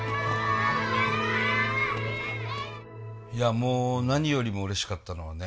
いやもう何よりもうれしかったのはね